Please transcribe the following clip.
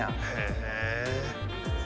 へえ。